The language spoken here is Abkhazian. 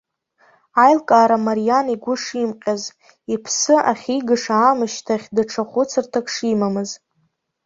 Аилкаара мариан игәы шимҟьаз, иԥсы ахьигаша аамышьҭахь, даҽа хәыцырҭак шимамыз.